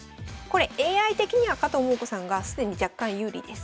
これＡＩ的には加藤桃子さんが既に若干有利です。